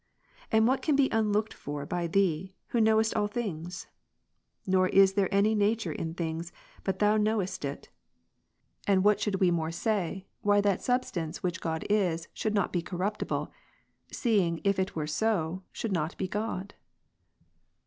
And what can be unlooked for by Thee, who knowest all things ? Nor is there any nature in things, but Thou knowest it. And what should we more say, " why that substance 112 Aug's speculations on God and the world. which God is, should not be corruptible," seeing if it were so, it should not be God